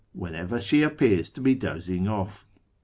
whenever she appears to be dozing off.